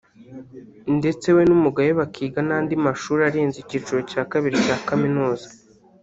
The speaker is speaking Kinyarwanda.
ndetse we n’umugabo we bakiga n’andi mashuri arenze icyiciro cya kabiri cya kaminuza